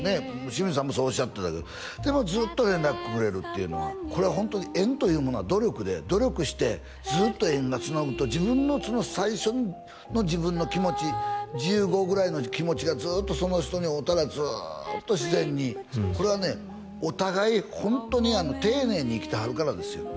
清水さんもそうおっしゃってたけどでもずっと連絡くれるっていうのはこれはホントに縁というものは努力で努力してずっと縁がつなぐと自分のその最初の自分の気持ち１５ぐらいの気持ちがずっとその人に会うたらずっと自然にこれはねお互いホントに丁寧に生きてはるからですよ